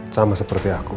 sama seperti aku